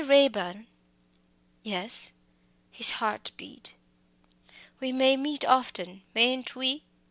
Raeburn!" "Yes." His heart beat. "We may meet often mayn't we?